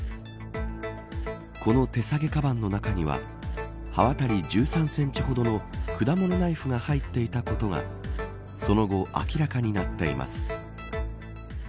この手提げかばんの中には刃渡り１３センチほどの果物ナイフが入っていたことがその後、明らかになっています。